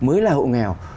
mới là hộ nghèo